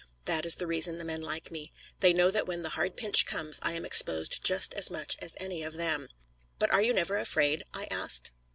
That is the reason the men like me. They know that when the hard pinch comes I am exposed just as much as any of them." "But are you never afraid?" I asked.